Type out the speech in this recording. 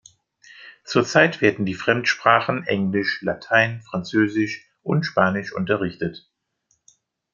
Zurzeit werden die Fremdsprachen Englisch, Latein, Französisch und Spanisch unterrichtet.